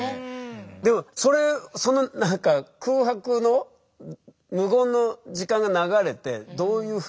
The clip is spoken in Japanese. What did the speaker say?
でもその何か空白の無言の時間が流れてどういうふうに。